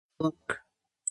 book